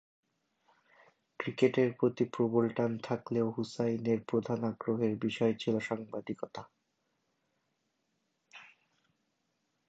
ক্রিকেটের প্রতি প্রবল টান থাকলেও হুসাইনের প্রধান আগ্রহের বিষয় ছিল সাংবাদিকতা।